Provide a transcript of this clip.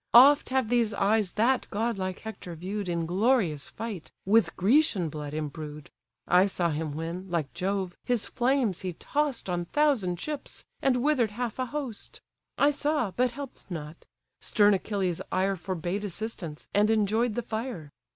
Oft have these eyes that godlike Hector view'd In glorious fight, with Grecian blood embrued: I saw him when, like Jove, his flames he toss'd On thousand ships, and wither'd half a host: I saw, but help'd not: stern Achilles' ire Forbade assistance, and enjoy'd the fire.